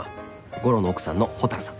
悟郎の奥さんの蛍さん。